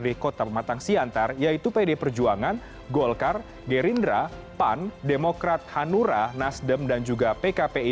di kota pematang siantar yaitu pd perjuangan golkar gerindra pan demokrat hanura nasdem dan juga pkpi